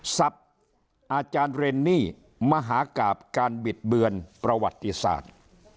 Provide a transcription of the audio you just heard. ทรัพย์อาจารย์เรนนี่มหากราบการบิดเบือนประวัติศาสตร์